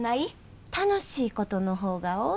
楽しいことの方が多いわ。